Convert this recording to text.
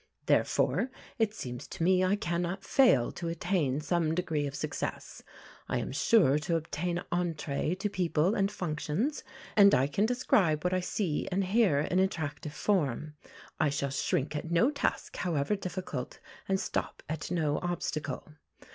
Therefore, it seems to me I cannot fail to attain some degree of success. I am sure to obtain entrée to people and functions, and I can describe what I see and hear in attractive form. I shall shrink at no task, however difficult, and stop at no obstacle.